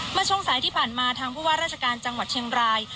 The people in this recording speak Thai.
เมื่อช่วงสายที่ผ่านมาทางผู้ว่าราชการจังหวัดเชียงราย